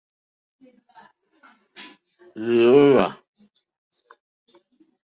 Wɛ̄ ǒ wàà.